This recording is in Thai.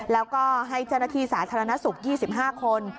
แล้วก็ให้เจ้าหน้าที่สาธารณสุข๒๕คน